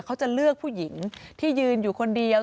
เขาจะเลือกผู้หญิงที่ยืนอยู่คนเดียว